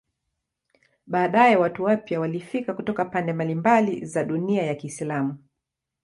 Baadaye watu wapya walifika kutoka pande mbalimbali za dunia ya Kiislamu.